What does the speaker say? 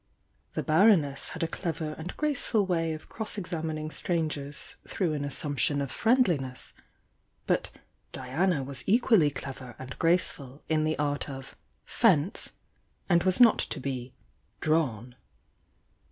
The Bar oness had a clever and graceful way of cross exam ining strangers through an assumption of friendli ness, but Diana was equally clever and graceful in the art of "fence" and was not to be "drawn."